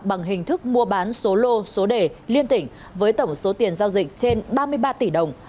bằng hình thức mua bán số lô số đề liên tỉnh với tổng số tiền giao dịch trên ba mươi ba tỷ đồng